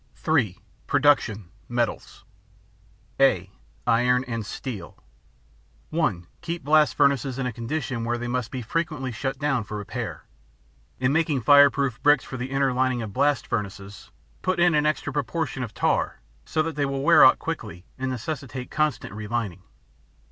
(3) Production. Metals (a) Iron and Steel (1) Keep blast furnaces in a condition where they must be frequently shut down for repair. In making fire proof bricks for the inner lining of blast furnaces, put in an extra proportion of tar so that they will wear out quickly and necessitate constant re lining.